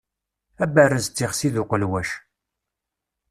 Aberrez d tixsi d uqelwac.